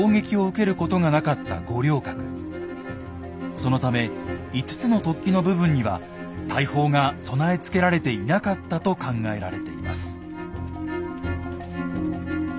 そのため５つの突起の部分には大砲が備え付けられていなかったと考えられています。